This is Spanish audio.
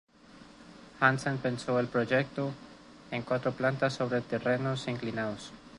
Hansen pensó el proyecto en cuatro plantas sobre terrenos inclinados.